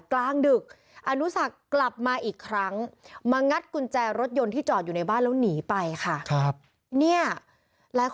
กลางดึกอนุสักกลับมาอีกครั้งมางัดกุญแจรถยนต์ที่จอดอยู่ในบ้านแล้วหนีไปค่ะ